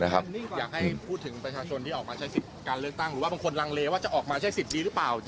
หรือคุณมีรั่งเลว่าจะออกมาใช้ศิลป์ดีหรือเปล่า